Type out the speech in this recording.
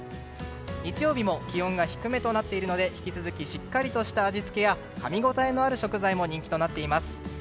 日曜日も気温が低めとなっているので引き続きしっかりとした味付けやかみごたえのある食材も人気となっています。